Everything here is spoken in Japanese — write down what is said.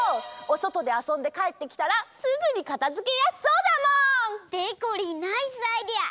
おそとであそんでかえってきたらすぐにかたづけやすそうだもん！でこりんナイスアイデア！